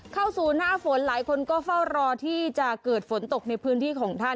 เข้าสู่หน้าฝนหลายคนก็เฝ้ารอที่จะเกิดฝนตกในพื้นที่ของท่าน